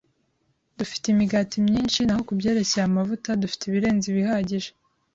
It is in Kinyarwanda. Dufite imigati myinshi, naho kubyerekeye amavuta, dufite ibirenze bihagije.